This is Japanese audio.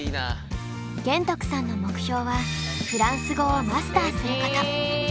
玄徳さんの目標はフランス語をマスターすること。